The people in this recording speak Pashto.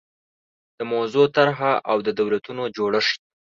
د موضوع طرحه او د دولتونو جوړښت